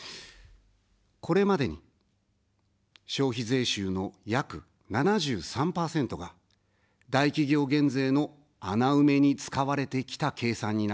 これまでに、消費税収の約７３％が大企業減税の穴埋めに使われてきた計算になります。